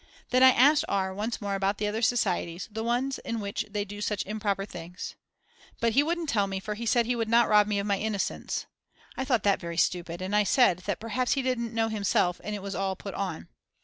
Then I asked R. once more about the other societies, the ones in which they do such improper things. But he wouldn't tell me for he said he would not rob me of my innocence. I thought that very stupid, and I said that perhaps he didn't know himself and it was all put on.